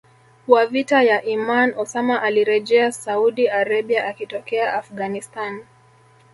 wa vita ya Imaan Osama alirejea Saudi Arabia akitokea Afghanistan